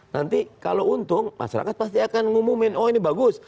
nanti kalau untung masyarakat pasti akan ngumumin oh ini bagus